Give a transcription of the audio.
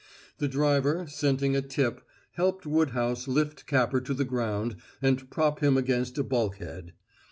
The driver, scenting a tip, helped Woodhouse lift Capper to the ground and prop him against a bulkhead.